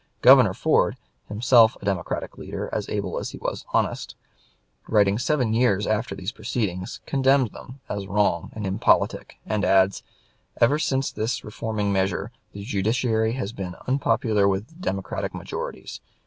Governor Ford, himself a Democratic leader as able as he was honest, writing seven years after these proceedings, condemns them as wrong and impolitic, and adds, "Ever since this reforming measure the Judiciary has been unpopular with the Democratic majorities.